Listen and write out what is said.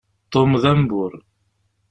Tom d ambur.